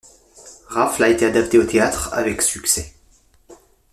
Raffles a été adapté au théâtre avec succès.